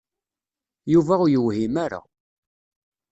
Yuba ur yewhim ara.